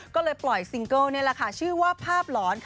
ก็เลยปล่อยซิงเกิลย์ชื่อภาพหลอน